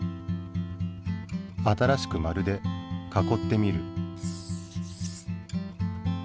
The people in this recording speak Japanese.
新しく丸で囲ってみる。